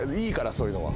そういうのは。